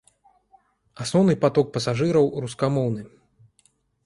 Асноўны паток пасажыраў рускамоўны.